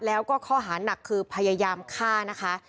แล้วก็ข้อหานักคือพยายามฆ่านะคะ